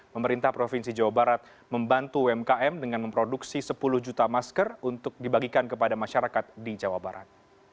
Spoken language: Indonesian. pemerintah provinsi jawa barat membantu umkm dengan memproduksi sepuluh juta masker untuk dibagikan kepada masyarakat di jawa barat